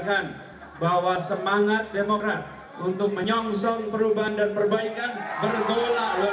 kita siap menyongsong kemenangan bersama